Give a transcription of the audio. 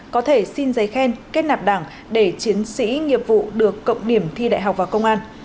có thể xin giấy khen kết nạp đảng để chiến sĩ nghiệp vụ được cộng điểm thi đại học và công an